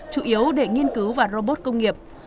chủ yếu để nghiên cứu vào robot công nghiệp